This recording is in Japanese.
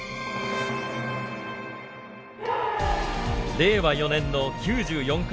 令和４年の９４回大会。